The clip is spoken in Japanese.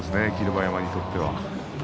馬山にとっては。